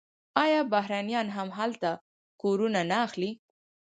آیا بهرنیان هم هلته کورونه نه اخلي؟